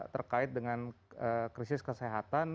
terkait dengan krisis kesehatan